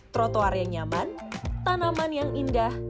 trotoar yang nyaman tanaman yang indah